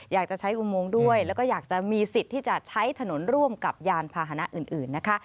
อยากจะใช้อุโมงด้วยแล้วก็อยากจะมีสิทธิ์ที่จะใช้ถนนร่วมกับยานพาหนะอื่นนะคะ